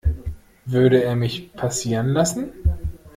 Würde er mich passieren lassen?